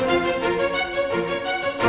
udah ngeri ngeri aja